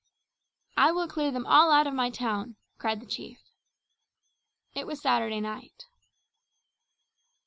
"I will clear them all out of my town," cried the chief. It was Saturday night.